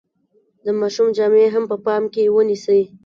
د ماشوم جامې هم په پام کې ونیسئ.